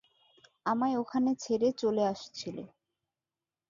আমায় ওখানে ছেড়ে চলে আসছিলে।